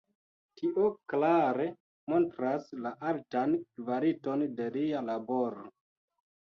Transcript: Tio klare montras la altan kvaliton de lia laboro.